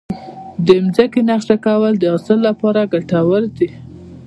د ځمکې نقشه کول د حاصل لپاره ګټور دي.